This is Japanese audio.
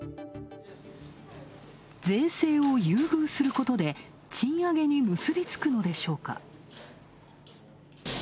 税制を優遇することで賃上げに結び付くのでしょうか。